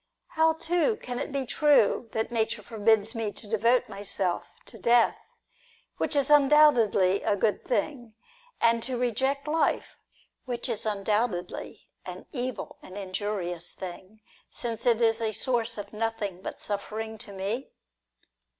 How, too, can it be j^rue, that Nature forbids me to devote myself to death, which is undoubtedly a good thing, and to reject life, which is undoubtedly an evil and injurious thing, since it is a source of nothing but suffering to me